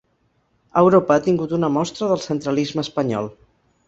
Europa ha tingut una mostra del centralisme espanyol